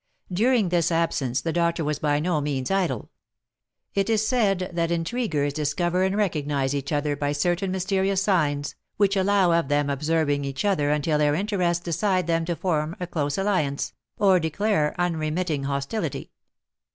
During this absence the doctor was by no means idle. It is said that intriguers discover and recognise each other by certain mysterious signs, which allow of them observing each other until their interests decide them to form a close alliance, or declare unremitting hostility.